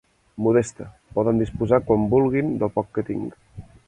Modesta–, poden disposar quan vulguin del poc que tinc.